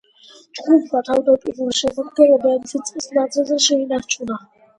ჯგუფმა თავდაპირველი შემადგენლობა ექვსი წლის მანძილზე შეინარჩუნა.